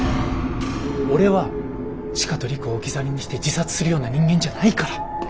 俺は千佳と璃久を置き去りにして自殺するような人間じゃないから！